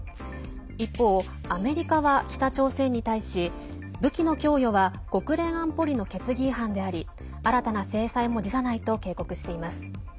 一方、アメリカは北朝鮮に対し武器の供与は国連安保理の決議違反であり新たな制裁も辞さないと警告しています。